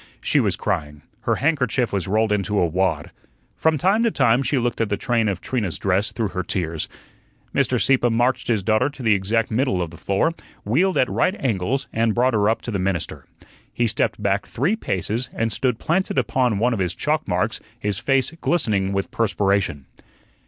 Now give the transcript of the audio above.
She was crying; her handkerchief was rolled into a wad. From time to time she looked at the train of Trina's dress through her tears. Mr. Sieppe marched his daughter to the exact middle of the floor, wheeled at right angles, and brought her up to the minister. He stepped back three paces, and stood planted upon one of his chalk marks, his face glistening with perspiration.